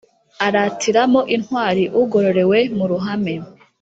aratiramo intwari ugororerwe muruhame